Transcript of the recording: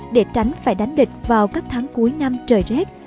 để tránh phải đánh địch vào các tháng cuối năm trời rét